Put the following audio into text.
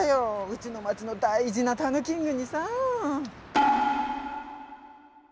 うちの町の大事なたぬキングにさ。